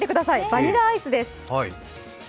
バニラアイスです。